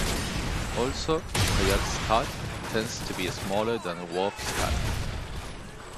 Also, coyote scat tends to be smaller than wolf scat.